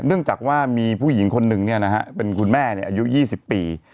เนื่องจากว่ามีผู้หญิงคนนึงเนี่ยนะฮะเป็นคุณแม่เนี่ยอายุยี่สิบปี